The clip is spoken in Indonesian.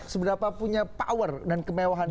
seberapa punya power dan kemewahan itu